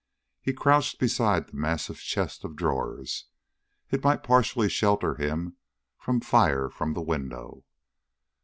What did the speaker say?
He crouched beside the massive chest of drawers. It might partially shelter him from fire from the window.